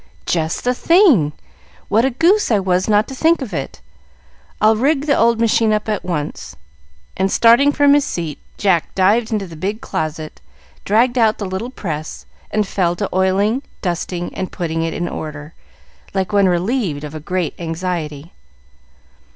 "Just the thing! What a goose I was not to think of it. I'll rig the old machine up at once." And, starting from his seat, Jack dived into the big closet, dragged out the little press, and fell to oiling, dusting, and putting it in order, like one relieved of a great anxiety.